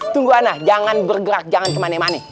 tunggu ana jangan bergerak jangan ke mani mani